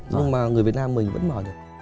nhưng mà người việt nam mình vẫn mở được